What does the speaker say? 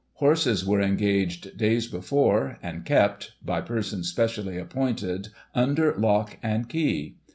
Horses were engaged days before, and kept, by persons specially appointed, under lock and key.